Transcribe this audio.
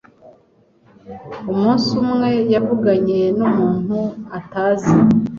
Umunsi umwe, yavuganye numuntu atazi.